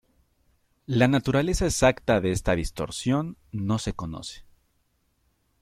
La naturaleza exacta de esta distorsión no se conoce.